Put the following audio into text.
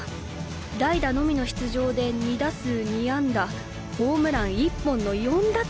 代打のみの出場で２打数２安打ホームラン１本の４打点。